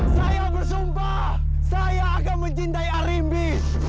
saya bersumpah saya akan mencintai arimbis